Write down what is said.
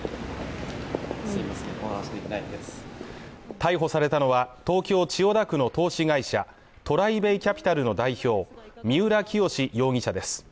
逮捕されたのは、東京・千代田区の投資会社ＴＲＩＢＡＹＣＡＰＩＴＡＬの代表三浦清志容疑者です。